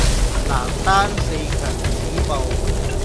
男單四強止步